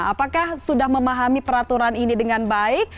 apakah sudah memahami peraturan ini dengan baik